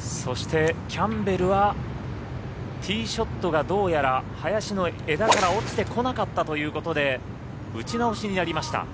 そして、キャンベルはティーショットがどうやら林の枝から落ちてこなかったということで打ち直しになりました。